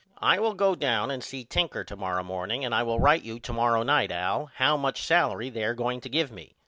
I will go down and see Tinker to morrow morning and I will write you to morrow night Al how much salery they are going to give me.